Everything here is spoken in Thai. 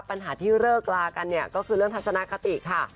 ปัญหาที่เลิกลากันเนี่ยก็คือเรื่องทัศนคติค่ะ